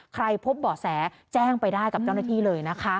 พบเบาะแสแจ้งไปได้กับเจ้าหน้าที่เลยนะคะ